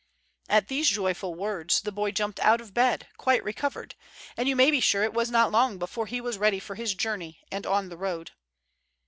At these joyful words the boy jumped out of bed, quite recovered, and you may be sure it was not long before he was ready for his journey and on the road.